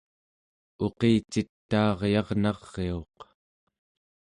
uqicitaaryarnariuq